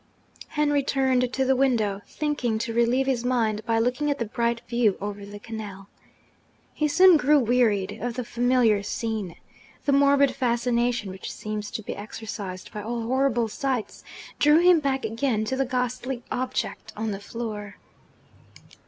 Henry turned to the window, thinking to relieve his mind by looking at the bright view over the canal. He soon grew wearied of the familiar scene. The morbid fascination which seems to be exercised by all horrible sights, drew him back again to the ghastly object on the floor.